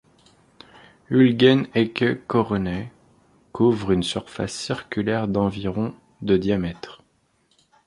Ulgen ekhe Coronae couvre une surface circulaire d'environ de diamètre.